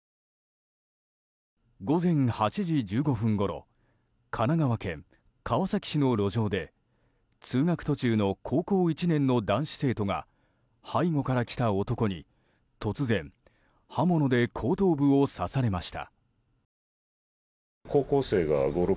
午前８時１５分ごろ神奈川県川崎市の路上で通学途中の高校１年の男子生徒が背後から来た男に突然、刃物で後頭部を刺されました。